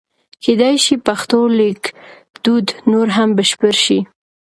کېدای شي پښتو لیکدود نور هم بشپړ شي.